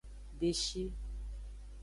Deshi.